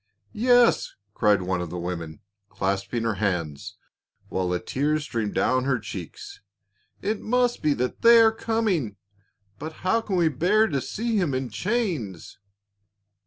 " Yes," cried one of the women, clasping her hands, while the tears streamed down her cheeks, " it must be that they are coming ; but how can we bear to see him in chains?"